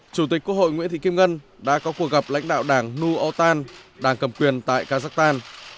chủ tịch quốc hội nguyễn thị kim ngân đã có cuộc gặp lãnh đạo đảng nu ottan đảng cầm quyền tại kazakhstan